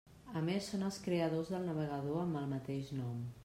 A més són els creadors del navegador amb el mateix nom.